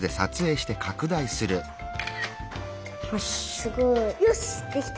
すごい。よしできた。